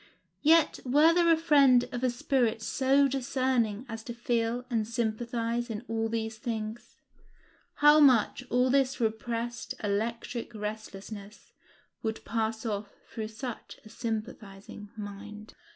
Yet were there a friend of a spirit so discerning as to feel and sympathize in all these things, how much of this repressed electric restlessness would pass off through such a sympathizing mind.